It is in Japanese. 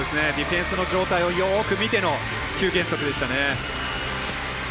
ディフェンスの状態をよく見ての。